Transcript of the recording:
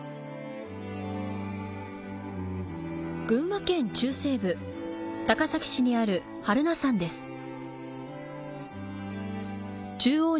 群馬県中西部、高崎市にある榛名山です。